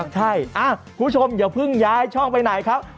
ใช่คุณผู้ชมอย่าเพิ่งย้ายช่องไปไหนครับ